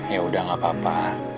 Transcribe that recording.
yaudah gak apa apa